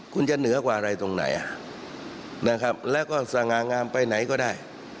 คุณจะเหนือกว่าอะไรตรงไหนนะครับแล้วก็สง่างามไปไหนก็ได้